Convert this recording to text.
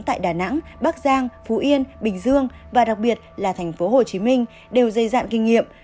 tại đà nẵng bắc giang phú yên bình dương và đặc biệt là tp hcm đều dây dạng kinh nghiệm